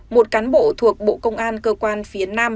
một cán bộ thuộc bộ công an cơ quan phía nam